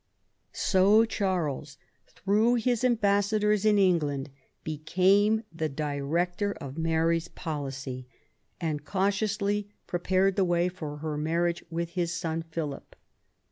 So Charles, through his ambassadors in England, became the director of Mary's policy and cautiously prepared the way for her marriage with his son Philip.